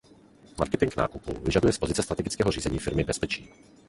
Marketing nákupu vyžaduje z pozice strategického řízení firmy bezpečí.